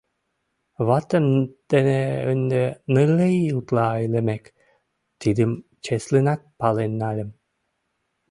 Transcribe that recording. Ватем дене ынде нылле ий утла илымек, тидым чеслынак пален нальым...